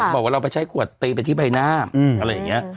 บอกว่าเราไปใช้ขวดตีไปที่ใบหน้าอะไรอย่างนี้